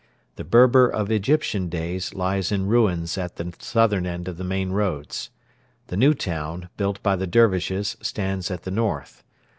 The Berber of Egyptian days lies in ruins at the southern end of the main roads. The new town built by the Dervishes stands at the north.